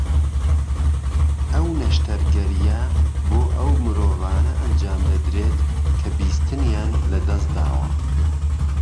ئەو نەشتەرگەرییە بۆ ئەو مرۆڤانە ئەنجامدەدرێت کە بیستنیان لە دەست داوە